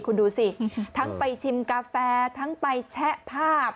คุณดูสิทั้งไปชิมกาแฟทั้งไปแชะภาพ